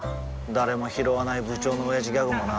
誰もひろわない部長のオヤジギャグもな